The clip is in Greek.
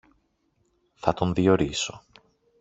Θα τον διορίσω.